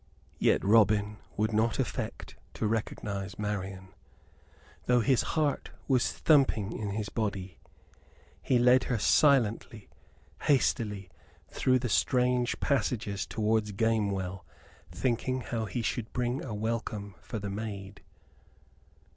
Yet Robin would not affect to recognize Marian, though his heart was thumping in his body. He led her silently, hastily, through the strange passages towards Gamewell, thinking how he should bring a welcome for the maid.